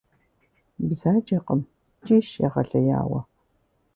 Бзаджэкъым, ткӀийщ егъэлеяуэ.